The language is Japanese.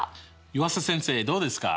湯浅先生どうですか？